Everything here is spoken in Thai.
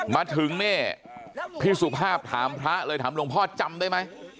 มาถึงเนี่ยพี่สุภาพถามพระเลยถามหลวงพ่อจำได้ไหม